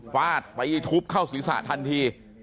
ฟาดไปทุบเข้าศรีศาสตร์ทันที